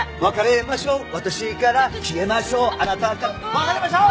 別れましょー！